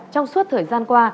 trong suốt thời gian qua